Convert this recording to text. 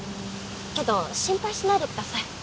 けど心配しないでください。